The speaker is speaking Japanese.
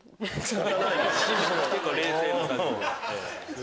結構冷静な感じで。